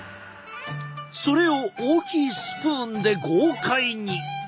それを大きいスプーンで豪快に！